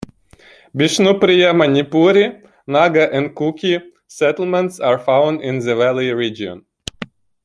Bishnupriya Manipuri, Naga and Kuki settlements are found in the valley region.